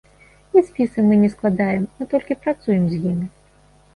І спісы мы не складаем, мы толькі працуем з імі.